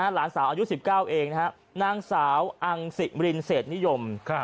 หลานสาวอายุ๑๙เองนะครับนางสาวอังสิมรินเศษนิยม